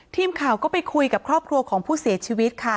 ทีมข่าวก็ไปคุยกับครอบครัวของผู้เสียชีวิตค่ะ